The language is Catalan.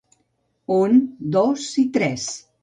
Un, dos i tres.